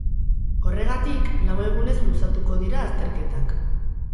Horregatik, lau egunez luzatuko dira azterketak.